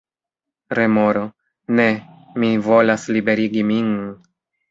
Remoro: "Ne. Mi volas liberigi min!"